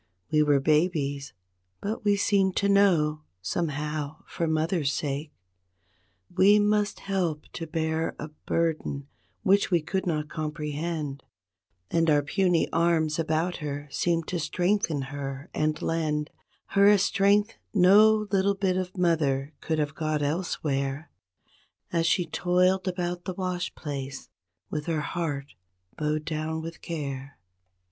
We were babies, but we seemed to know, somehow. 25 for mother's sake f We must help to bear a burden which we could not || comprehend, 1 And our puny arms about her seemed to strength en her and lend f Her a strength no little bit of mother could have got elsewhere t As she toiled about the wash place with her heart f bowed down with care.